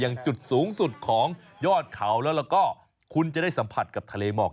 อย่างจุดสูงสุดของยอดเขาแล้วก็คุณจะได้สัมผัสกับทะเลหมอก